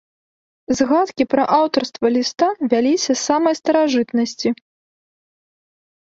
Згадкі пра аўтарства ліста вяліся са самай старажытнасці.